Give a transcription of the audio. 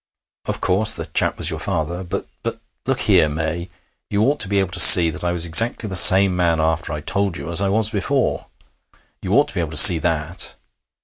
Of course, the chap was your father, but, but . Look here, May, you ought to be able to see that I was exactly the same man after I told you as I was before. You ought to be able to see that.